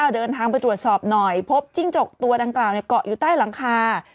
เดินทางไปตรวจสอบหน่อยพบจิ้งจกตัวดังกล่าวเกาะอยู่ใต้หลังคา